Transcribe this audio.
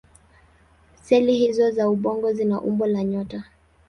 Seli hizO za ubongo zina umbo la nyota.